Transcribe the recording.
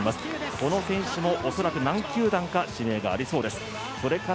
この選手も恐らく何球団か指名がありそうです。